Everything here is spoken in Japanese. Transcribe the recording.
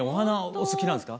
お好きなんですか？